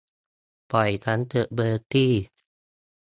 ปล่อยฉันเถอะเบอร์ตี้